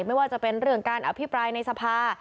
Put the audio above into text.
ไม่ว่าจะเป็นเรื่องการอภิปรายในสภา